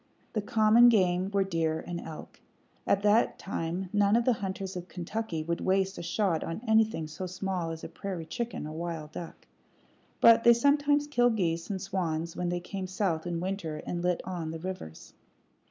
The common game were deer and elk. At that time none of the hunters of Kentucky would waste a shot on anything so small as a prairie chicken or wild duck; but they sometimes killed geese and swans when they came south in winter and lit on the rivers.